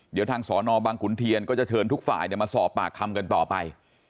เดี๋ยวทางสอนอบังขุนเทียนก็จะเชิญทุกฝ่ายมาสอบปากคำกันต่อไป